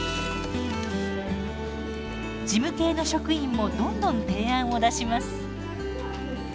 事務系の職員もどんどん提案を出します。